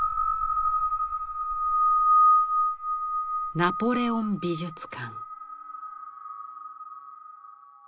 「ナポレオン美術館」。